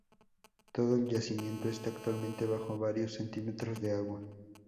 Todo el yacimiento está actualmente bajo varios centímetros de agua.